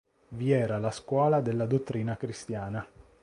Vi era la scuola della dottrina cristiana.